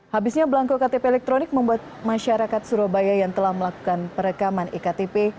habisnya belangko ktp elektronik membuat masyarakat surabaya yang telah melakukan perekaman iktp